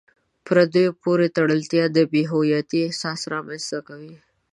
پردیو پورې تړلتیا د بې هویتۍ احساس رامنځته کوي.